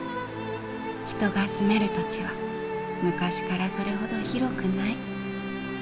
人が住める土地は昔からそれほど広くない。